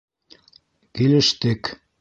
Килештек.